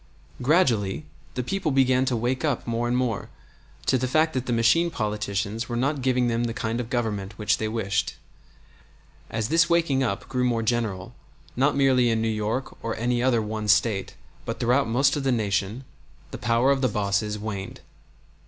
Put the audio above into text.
Gradually the people began to wake up more and more to the fact that the machine politicians were not giving them the kind of government which they wished. As this waking up grew more general, not merely in New York or any other one State, but throughout most of the Nation, the power of the bosses waned.